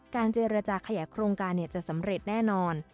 การเจรจาขยะโครงการเนี่ยจะสำเร็จแน่นอน